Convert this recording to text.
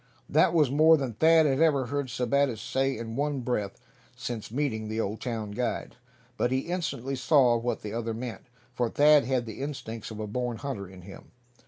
That was more than Thad had ever heard Sebattis say in one breath since meeting the Old town guide. But he instantly saw what the other meant, for Thad had the instincts of a born hunter in him.